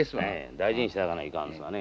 大事にしてやらないかんですわね。